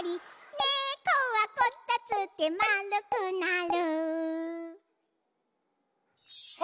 「ねこはこたつでまるくなる」あ！